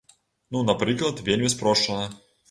Ну напрыклад, вельмі спрошчана.